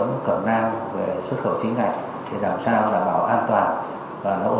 nhất là ai là đối thủ xuất khẩu sang như nào